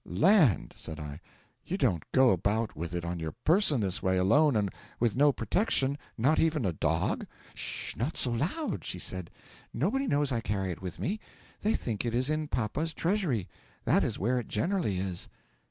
'Land!' said I, 'you don't go about with it on your person this way, alone and with no protection, not even a dog?' 'Ssh! not so loud,' she said. 'Nobody knows I carry it with me. They think it is in papa's treasury. That is where it generally is.'